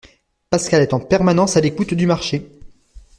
Pascal est en permanence à l'écoute du marché.